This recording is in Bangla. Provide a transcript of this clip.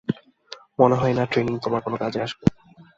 মনে হয় না ট্রেনিং তোমার কোন কাজে আসবে।